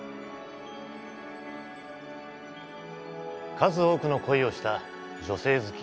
数多くの恋をした女性好き。